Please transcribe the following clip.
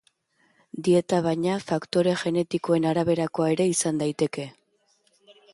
Dieta, baina, faktore genetikoen araberakoa ere izan daiteke.